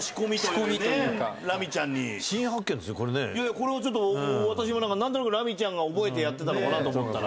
これは私も何となくラミちゃんが覚えてやってたのかなと思ったら。